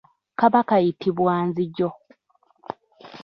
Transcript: Kaba kayitibwa nzijo.